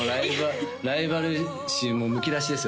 ライバル意識むき出しですよ